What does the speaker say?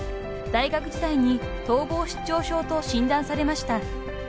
［大学時代に統合失調症と診断されました］